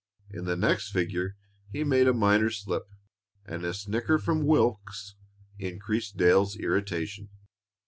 In the next figure he made a minor slip, and a snicker from Wilks increased Dale's irritation.